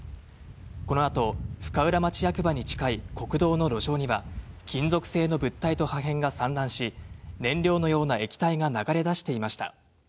この後、深浦町役場に近い国道の路上には金属製の物体と破片が散乱し、燃料のような液体が流れ出していました。